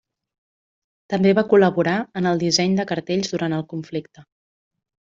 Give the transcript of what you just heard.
També va col·laborar en el disseny de cartells durant el conflicte.